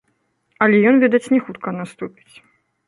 Але ён, відаць, не хутка наступіць.